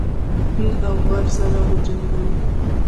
فيل او غر سره وجنګوي.